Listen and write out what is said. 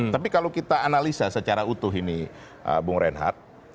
tapi kalau kita analisa secara utuh ini bung reinhardt